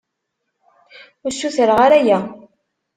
Ur ssutreɣ ara aya.